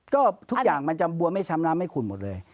ก็ทุกอย่างมันจะบวมไม่ช้ำน้ำไม่ขุ่นหมดเลย